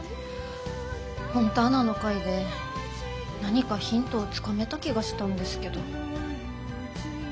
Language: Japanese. フォンターナの会で何かヒントをつかめた気がしたんですけど。